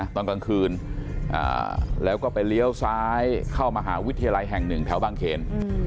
ตอนกลางคืนแล้วก็ไปเลี้ยวซ้ายเข้ามหาวิทยาลัยแห่งหนึ่งแถวบางเขน